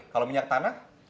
kalau minyak tanah